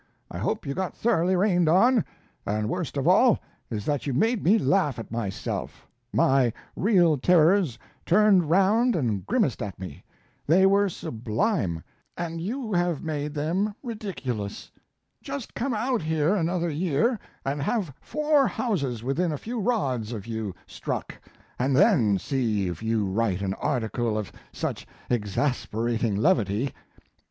I hope you got thoroughly rained on; and worst of all is that you made me laugh at myself; my real terrors turned round and grimaced at me: they were sublime, and you have made them ridiculous just come out here another year and have four houses within a few rods of you struck and then see if you write an article of such exasperating levity.